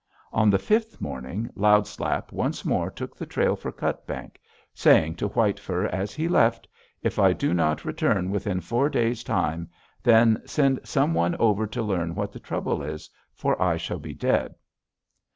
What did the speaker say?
On the fifth morning Loud Slap once more took the trail for Cutbank, saying to White Fur as he left, 'If I do not return within four days' time, then send some one over to learn what the trouble is, for I shall be dead.'